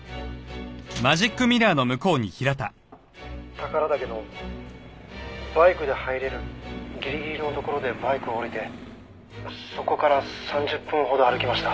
「宝良岳のバイクで入れるギリギリのところでバイクを降りてそこから３０分ほど歩きました」